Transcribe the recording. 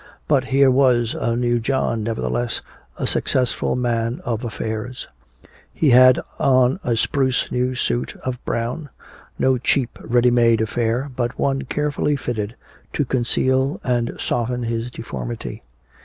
But here was a new John, nevertheless, a successful man of affairs. He had on a spruce new suit of brown, no cheap ready made affair but one carefully fitted to conceal and soften his deformity.